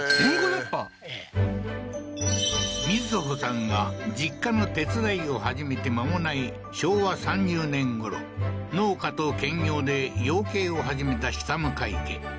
ええ瑞穂さんが実家の手伝いを始めて間もない昭和３０年頃農家と兼業で養鶏を始めた下向家